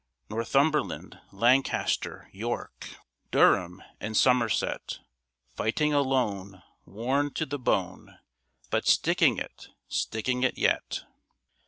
Northumberland, Lancaster, York, Durham and Somerset, Fighting alone, worn to the bone, But sticking it, sticking it yet.